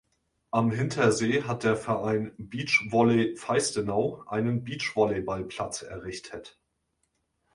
Am Hintersee hat der Verein „Beach Volley Faistenau“ einen Beachvolleyballplatz errichtet.